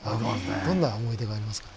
どんな思い出がありますかね？